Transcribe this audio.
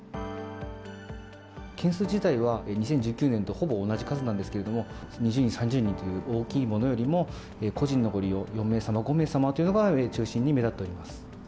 件数自体は２０１９年とほぼ同じ数なんですけれども、２０人、３０人という大きいものよりも、個人のご利用、４名様、５名様というのが、中心に目立っております。